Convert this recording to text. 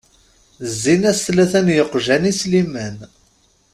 Zzin-as tlata n yeqjan i Sliman.